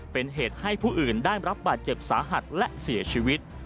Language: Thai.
เป็นเหตุให้ผู้อื่นได้รับบาดเจ็บสาหัสและเสียชีวิต